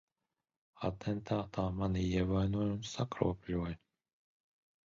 Atentātā mani ievainoja un sakropļoja.